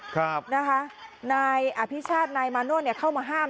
ครับนะคะนายอภิชาตินายมาโนธเนี่ยเข้ามาห้าม